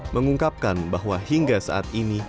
mengungkapkan bahwa hingga saat ini